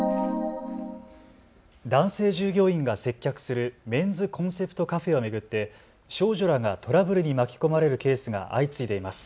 男性従業員が接客するメンズコンセプトカフェを巡って少女らがトラブルに巻き込まれるケースが相次いでいます。